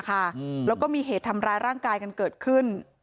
แล้วก็มีเหตุทำร้ายร่างกายกันเกิดขึ้น